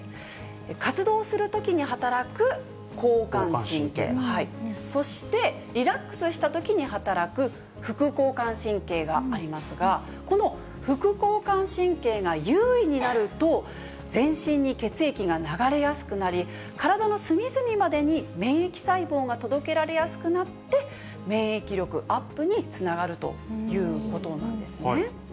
活動するときに働く交感神経、そしてリラックスしたときに働く副交感神経がありますが、この副交感神経が優位になると、全身に血液が流れやすくなり、体の隅々までに免疫細胞が届けられやすくなって、免疫力アップにつながるということなんですね。